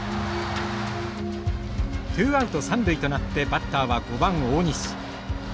ツーアウト三塁となってバッターは５番大西。